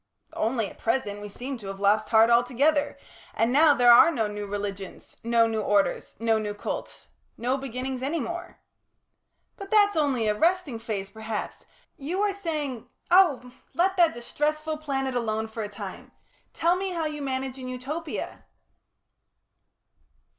"Only at present we seem to have lost heart altogether, and now there are no new religions, no new orders, no new cults no beginnings any more." "But that's only a resting phase, perhaps. You were saying " "Oh! let that distressful planet alone for a time! Tell me how you manage in Utopia."